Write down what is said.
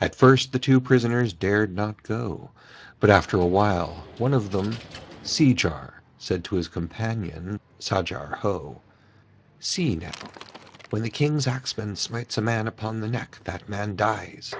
At first the two prisoners dared not go, but after a while one of them, Seejar, said to his companion, Sajar Ho: 'See now, when the King's axeman smites a man upon the neck that man dies.'